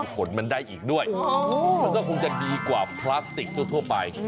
ผลมันได้อีกด้วยมันก็คงจะดีกว่าพลาสติกทั่วไป